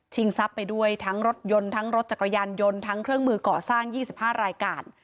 ทรัพย์ไปด้วยทั้งรถยนต์ทั้งรถจักรยานยนต์ทั้งเครื่องมือก่อสร้าง๒๕รายการ